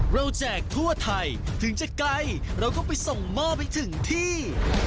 แจกทั่วไทยถึงจะไกลเราก็ไปส่งหม้อไปถึงที่